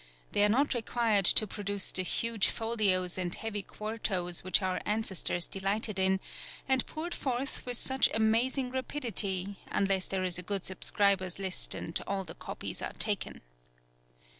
They are not required to produce the huge folios and heavy quartos which our ancestors delighted in, and poured forth with such amazing rapidity, unless there is a good subscribers' list and all the copies are taken.